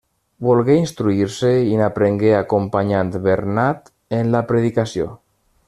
Volgué instruir-se i n'aprengué acompanyant Bernat en la predicació.